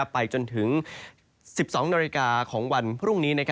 ไปจนถึง๑๒นาฬิกาของวันพรุ่งนี้